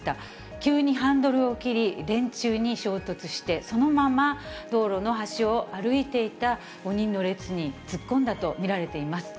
急にハンドルを切り、電柱に衝突して、そのまま道路の端を歩いていた５人の列に突っ込んだと見られています。